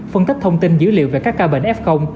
phân tích thông tin dữ liệu về các ca bệnh f